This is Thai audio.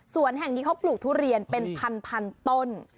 ส่วนแห่งนี้เขาปลูกทุเรียนเป็นพันต้น